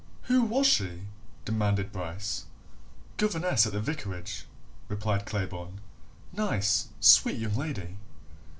"Who was she?" demanded Bryce. "Governess at the vicarage," replied Claybourne. "Nice, sweet young lady."